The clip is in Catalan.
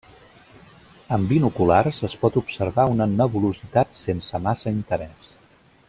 Amb binoculars es pot observar una nebulositat sense massa interès.